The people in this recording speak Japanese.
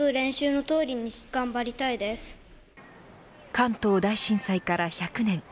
関東大震災から１００年。